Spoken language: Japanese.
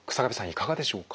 いかがでしょうか？